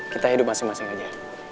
kita hidup masing masing aja